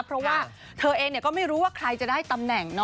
เพราะว่าเธอเองก็ไม่รู้ว่าใครจะได้ตำแหน่ง